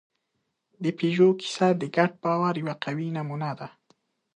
د پيژو کیسه د ګډ باور یوه قوي نمونه ده.